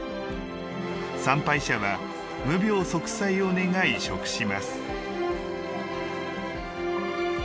参拝者は無病息災を願い食します。